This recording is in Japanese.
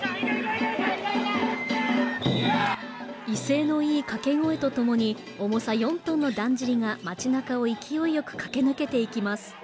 威勢のいい掛け声とともに重さ４ｔのだんじりが街中を勢いよく駆け抜けていきます